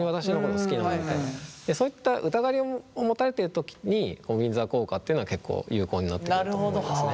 そういった疑いを持たれてる時にこのウィンザー効果っていうのは結構有効になってくると思いますね。